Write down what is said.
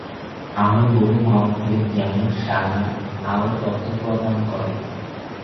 আরও বহু গ্রন্থে, যেমন সাগা, আরও তথ্য প্রদান করে।